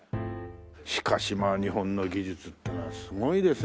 しかし日本の技術っていうのはすごいですね。